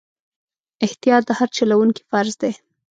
احتیاط د هر چلوونکي فرض دی.